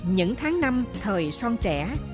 những tháng năm thời son trẻ